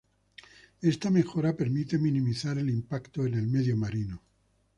Esta mejora permite minimizar el impacto en el medio marino.